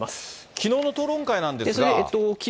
きのうの討論会なんですが。